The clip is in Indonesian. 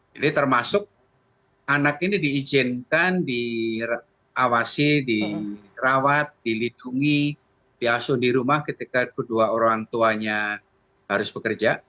jadi termasuk anak ini diizinkan diawasi dirawat dilindungi diasuh di rumah ketika kedua orang tuanya harus bekerja